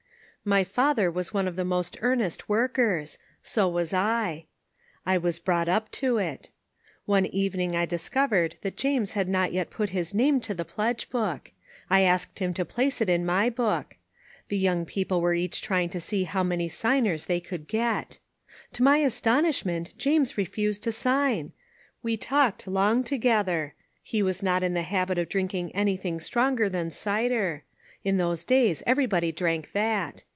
My father was one of the most earnest workers; so was I. I was brought up to it. One evening I dis covered that Ja'mes had not yet put his name to the pledge book. I asked him to place it on my book. The young people were each trying to see how many signers 422 ONE COMMONPLACE DAY. they could get. To my astonishment James refused to sign. We talked long together. He was not in the habit of drinking any thing stronger than cider. In those days everybody drank that.